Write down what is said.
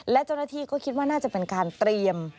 และเจ้าหน้าที่ก็คิดว่าน่าจะเป็นการเตรียม